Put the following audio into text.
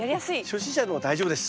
初心者でも大丈夫です。